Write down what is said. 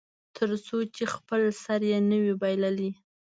تر څو چې خپل سر یې نه وي بایللی.